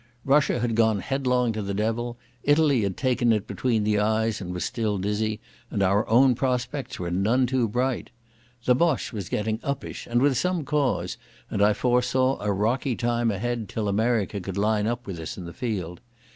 Russia had gone headlong to the devil, Italy had taken it between the eyes and was still dizzy, and our own prospects were none too bright. The Boche was getting uppish and with some cause, and I foresaw a rocky time ahead till America could line up with us in the field.